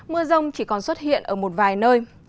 mưa rông chỉ còn xuất hiện ở một vài nơi